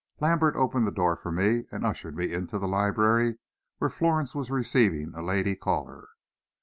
Lambert opened the door for me, and ushered me into the library, where Florence was receiving a lady caller.